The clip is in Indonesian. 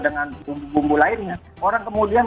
dengan bumbu bumbu lainnya orang kemudian